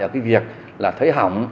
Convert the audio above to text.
ở cái việc là thấy hỏng